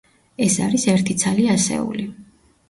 ეს არის ერთი ცალი ასეული.